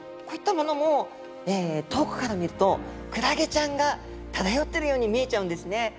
こういったものも遠くから見るとクラゲちゃんが漂ってるように見えちゃうんですね。